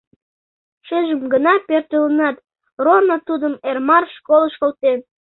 Шыжым гына пӧртылынат, роно тудым Эрмар школыш колтен.